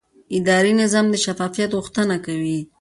اداري نظام د شفافیت غوښتنه کوي.